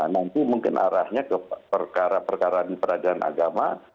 nanti mungkin arahnya ke perkara perkara di peradilan agama